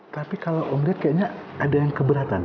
tapi kalau om lihat kayaknya ada yang keberatan